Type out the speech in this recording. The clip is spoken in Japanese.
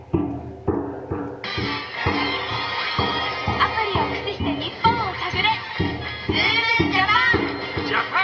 アプリをくしして日本をさぐれ！